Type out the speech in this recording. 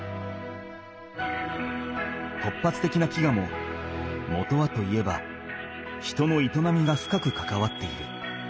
突発的な飢餓ももとはといえば人の営みが深くかかわっている。